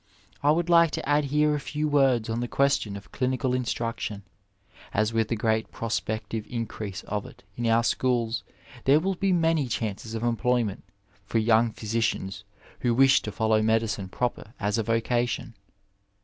I would like to add here a few words on the question of clinical instruction, as with the great prospective increase of it in our schools there will be many chances of employ ment for young physicians who wish to follow medicine proper as a vocation.